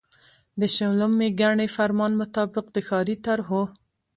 د شلمي ګڼي فرمان مطابق د ښاري طرحو